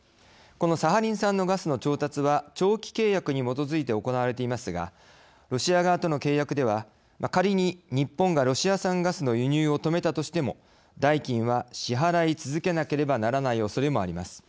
このサハリン産のガスの調達は長期契約に基づいて行われていますがロシア側との契約では仮に日本がロシア産ガスの輸入を止めたとしても、代金は支払い続けなければならないおそれもあります。